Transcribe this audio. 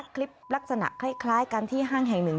คลิปลักษณะคล้ายกันที่ห้างแห่งหนึ่ง